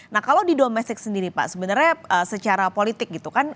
nah kalau di domestik sendiri pak sebenarnya secara politik gitu kan